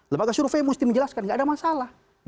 lembaga survei mesti menjelaskan nggak ada masalah